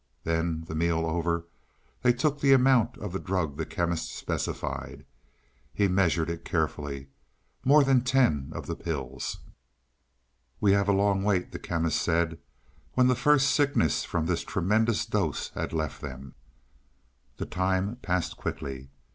Then, the meal over, they took the amount of the drug the Chemist specified. He measured it carefully more than ten of the pills. "We have a long wait," the Chemist said, when the first sickness from this tremendous dose had left them. The time passed quickly.